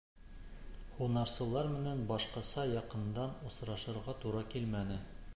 Һунарсылар менән башҡаса яҡындан осрашырға тура килмәне.